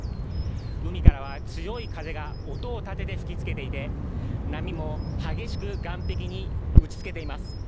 海からは強い風が音を立てて吹きつけていて、波も激しく岸壁に打ちつけています。